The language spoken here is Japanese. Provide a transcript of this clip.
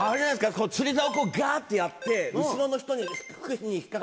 釣りざおガってやって。